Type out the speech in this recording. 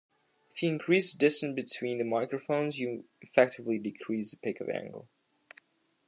If you increase the distance between the microphones, you effectively decrease the pickup angle.